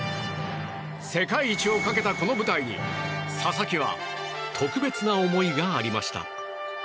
世界一をかけた、この舞台に佐々木は特別な思いがありました。